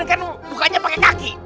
lagian kan bukannya pakai kaki